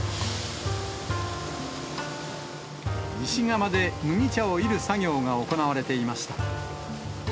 石釜で麦茶をいる作業が行われていました。